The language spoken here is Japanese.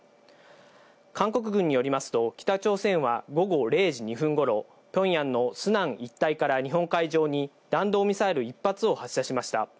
韓国軍によりますと、北朝鮮は午後０時２分ごろ、ピョンヤンのスナン一帯から日本海上に、弾道ミサイル１発を発射しました。